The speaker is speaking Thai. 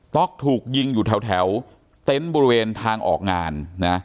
๊อกถูกยิงอยู่แถวเต็นต์บริเวณทางออกงานนะ